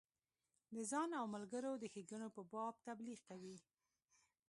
د ځان او ملګرو د ښیګڼو په باب تبلیغ کوي.